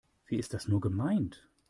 Wie ist das nur gemeint?